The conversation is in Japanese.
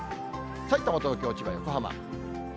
さいたま、東京、千葉、横浜。